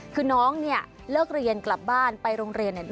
คือน้องเนี่ยเลิกเรียนกลับบ้านไปโรงเรียนเนี่ย